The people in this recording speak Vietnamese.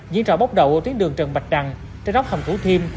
diễn ra bóc đầu ở tuyến đường trần bạch trần trên góc hầm thủ thiêm